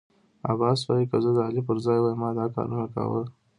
عباس وايی که زه د علي پر ځای وای ما دا کارنه کاوه.